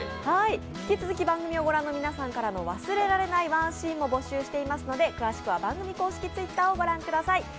引き続き番組をご覧の皆さんからの忘れられないワンシーンを募集していますので、詳しくは番組公式Ｔｗｉｔｔｅｒを御覧ください。